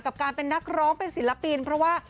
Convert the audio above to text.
กับการเป็นนักร้องเป็นศิลปินเพราะว่า